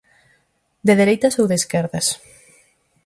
De dereitas ou de esquerdas?